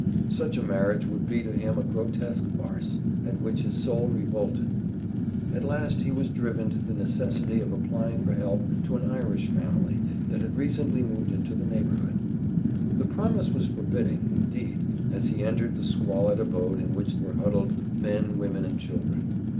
Such a marriage would be to him a grotesque farce, at which his soul revolted. At last he was driven to the necessity of applying for help to an Irish family that had recently moved into the neighborhood. The promise was forbidding, indeed, as he entered the squalid abode in which were huddled men, women, and children.